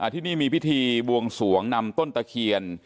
ที่นี่มีพิธีบวงสวงนำต้นตะเคียน